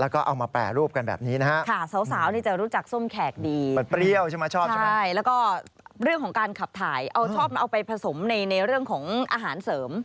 ขับถ่ายชอบเอาไปผสมในเรื่องของอาหารเสริม